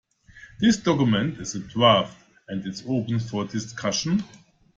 This document is a draft, and is open for discussion